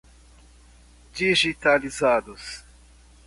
digitalizados